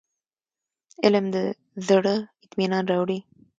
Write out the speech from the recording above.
علم د زړه اطمينان راوړي.